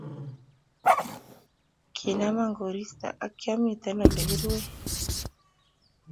kinamaan koristo akyamite olegiruen